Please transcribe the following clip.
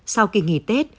sau kỳ nghỉ tết